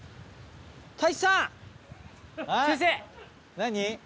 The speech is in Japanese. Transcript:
何？